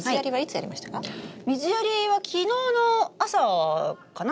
水やりは昨日の朝かな？